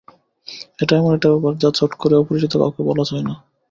এটা এমন একটা ব্যাপার, যা চট করে অপরিচিত কাউকে বলা যায় না।